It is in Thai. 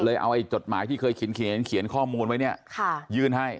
ไอ้จดหมายที่เคยเขียนข้อมูลไว้เนี่ยยื่นให้